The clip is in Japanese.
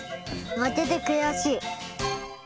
まけてくやしい。